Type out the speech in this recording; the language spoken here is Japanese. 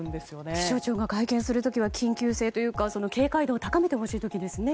気象庁が会見する時は緊急性というか警戒度を高めてほしい時ですね。